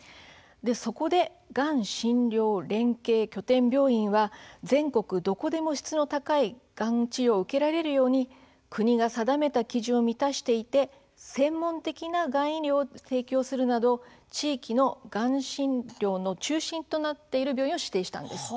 そこで、がん診療連携拠点病院は全国どこでも質の高いがん治療を受けられるように国が定めた基準を満たしていて専門的ながん医療を提供するなど地域の、がん診療の中心になっている病院なんです。